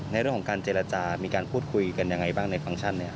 ในเรื่องของการเจรจามีการพูดคุยกันยังไงบ้างในฟังก์เนี่ย